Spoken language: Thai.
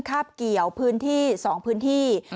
คาบเกี่ยวพื้นที่๒พื้นที่